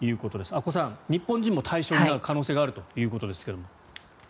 阿古さん、日本人も対象になる可能性があるということですが。